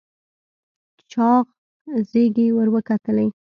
چاغ زيږې ور وکتلې.